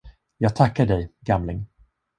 Jag tackar dig, gamling!